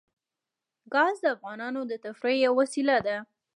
ګاز د افغانانو د تفریح یوه وسیله ده.